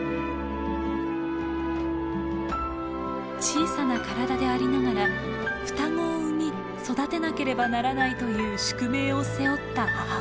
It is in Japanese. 小さな体でありながら双子を産み育てなければならないという宿命を背負った母親。